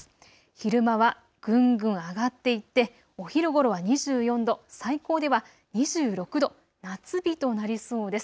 昼間はぐんぐん上がっていってお昼ごろは２４度、最高では２６度、夏日となりそうです。